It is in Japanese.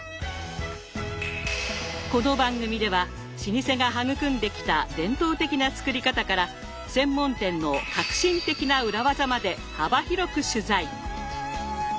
この番組では老舗が育んできた伝統的な作り方から専門店の革新的な裏技まで幅広く取材。